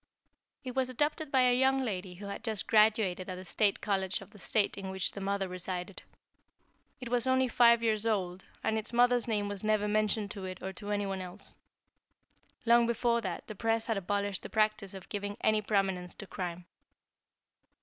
"It was adopted by a young lady who had just graduated at the State College of the State in which the mother resided. It was only five years old, and its mother's name was never mentioned to it or to anyone else. Long before that, the press had abolished the practice of giving any prominence to crime.